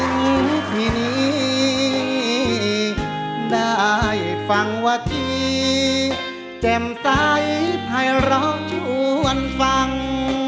โอ๊ะออกระธมสร้างสมมาถึงที่นี้ได้ฟังว่าคีย์เต็มไซม์ให้เราชวนฟัง